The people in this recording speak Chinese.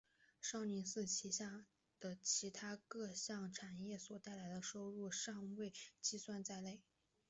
少林寺旗下的其它各项产业所带来的收入尚未计算在内。